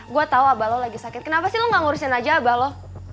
gue tau abah lo lagi sakit kenapa sih lo gak ngurusin aja abah lo